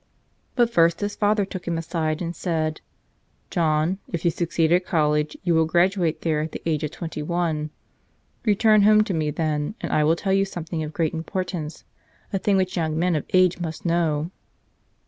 But first his father took him aside and said: ''John, if you succeed at college you will graduate there at the age of twenty one. Return home to me then and I will tell you something of great importance, a thing which young men of age must know."